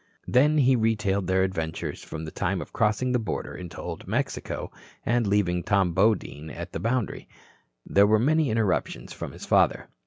Then he retailed their adventures from the time of crossing the border into Old Mexico and leaving Tom Bodine at the boundary. There were many interruptions from his father.